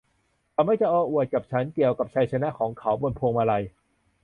เขามักจะโอ้อวดกับฉันเกี่ยวกับชัยชนะของเขาบนพวงมาลัย